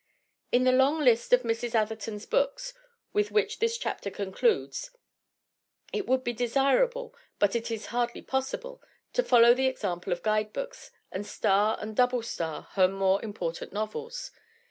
In the long list of Mrs. Atherton's books with which this chapter concludes it would be desirable, but it is hardly possible, to follow the example of guidebooks and star and doublestar her more important novels.